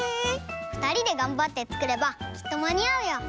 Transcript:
ふたりでがんばってつくればきっとまにあうよ！